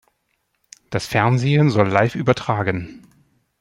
Das Fernsehen soll live übertragen.